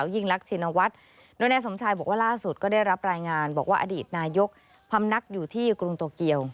ยิ่งรักชินวัฒน์โดยนายสมชายบอกว่าล่าสุดก็ได้รับรายงานบอกว่าอดีตนายกพำนักอยู่ที่กรุงโตเกียว